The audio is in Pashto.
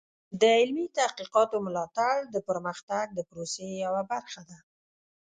د علمي تحقیقاتو ملاتړ د پرمختګ د پروسې یوه برخه ده.